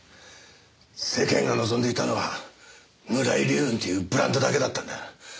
世間が望んでいたのは村井流雲っていうブランドだけだったんだ。